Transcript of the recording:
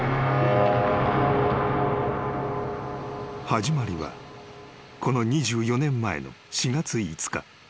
［始まりはこの２４年前の４月５日。